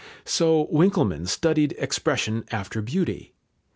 So Winckelmann studied expression after beauty.